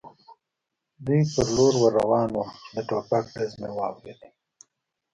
دوی پر لور ور روان ووم، چې د ټوپک ډز مې واورېد.